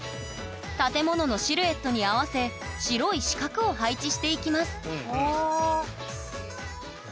建物のシルエットに合わせ白い四角を配置していきます